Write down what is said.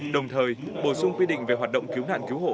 đồng thời bổ sung quy định về hoạt động cứu nạn cứu hộ